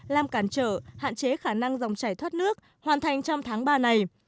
làm cản trở hạn chế khả năng dòng chảy thoát nước hoàn thành trong tháng ba này